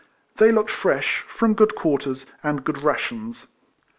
They looked fresh, from good quarters, and good rations.